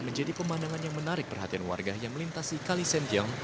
menjadi pemandangan yang menarik perhatian warga yang melintasi kalisentiong